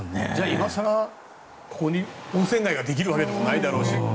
今更ここに温泉街ができるわけでもないだろうし。